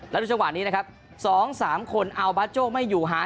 แล้วดูจังหวะนี้นะครับ๒๓คนเอาบาโจ้ไม่อยู่หา